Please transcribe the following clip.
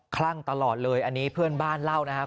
คลั่งตลอดเลยอันนี้เพื่อนบ้านเล่านะครับ